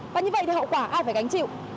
và như vậy thì hậu quả ai phải gánh chịu